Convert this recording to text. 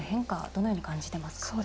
どのように感じてますか？